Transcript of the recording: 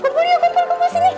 gunggul yuk gunggul sini